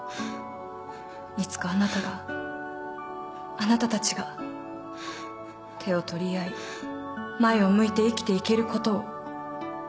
いつかあなたがあなたたちが手を取り合い前を向いて生きていけることを。